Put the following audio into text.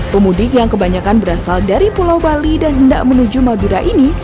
pemudik yang kebanyakan berasal dari pulau bali dan hendak menuju madura ini